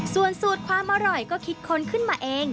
ส่วนสูตรความอร่อยก็คิดค้นขึ้นมาเอง